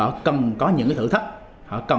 họ cần có những bài toán lớn để họ giải